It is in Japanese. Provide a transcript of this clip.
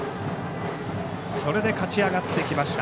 それで勝ち上がってきました。